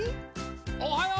おはよう！